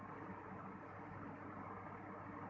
แต่ว่าจะเป็นแบบนี้